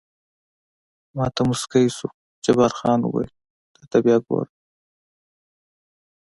ما ته موسکی شو، جبار خان وویل: ده ته بیا وګوره.